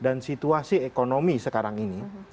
dan situasi ekonomi sekarang ini